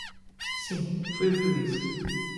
Sim, foi o que eu disse.